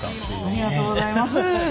ありがとうございます。